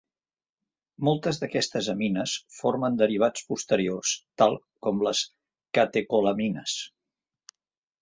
Moltes d'aquestes amines formen derivats posteriors, tals com les catecolamines.